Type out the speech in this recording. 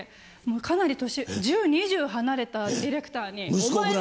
かなり年１０２０離れたディレクターにお前な！